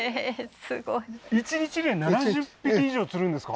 すごい１日で７０匹以上釣るんですか？